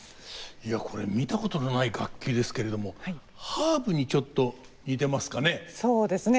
いやこれ見たことのない楽器ですけれどもハープにちょっと似てますかね。